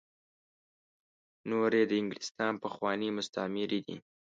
نور یې د انګلستان پخواني مستعميري دي.